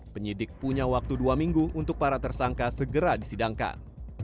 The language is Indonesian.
penyidik punya waktu dua minggu untuk para tersangka segera disidangkan